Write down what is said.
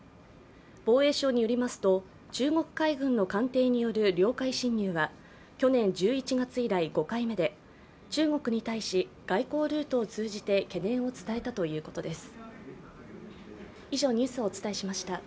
防衛省によりますと、中国海軍の艦艇による領海侵入は、去年１１月以来５回目で中国に対し外交ルートを通じて懸念を伝えたということです。